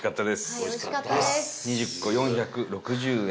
伊達：２０個、４６０円。